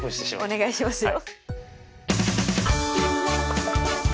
お願いしますよ。